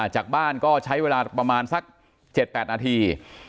จากบ้านก็ใช้เวลาประมาณสัก๗๘นาที